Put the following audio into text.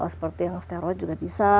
seperti yang steroid juga bisa